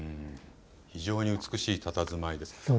非常に美しいたたずまいですね。